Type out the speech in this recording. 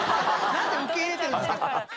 なんで受け入れてるんですか？